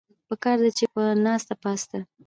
پکار ده چې پۀ ناسته پاسته